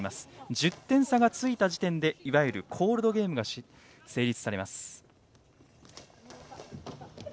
１０点差がついた時点でいわゆるコールドゲームが成立。